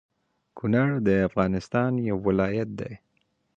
کونړ د افغانستان يو ولايت دى